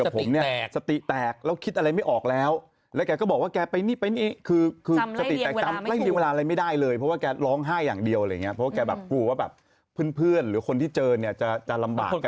เพราะว่าแกกลัวว่าเพื่อนหรือคนที่เจอจะลำบาก